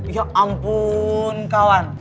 ya ampun kawan